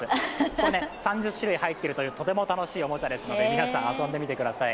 これ３０種類入ってるというとても楽しいおもちゃですので皆さん是非遊んでみてください。